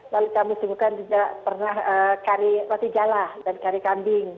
lalu kami sembukan juga pernah kari jalah dan kari kambing